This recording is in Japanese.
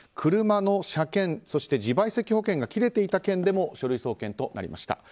車の車検、そして自賠責保険が切れていた件でも書類送検となりました。